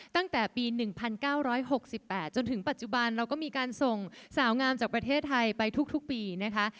ตั้งแต่ปี๑๙๖๘จนถึงปัจจุบันเราก็มีการส่งสาวงามจากประเทศไทยไปทุกปีนะคะ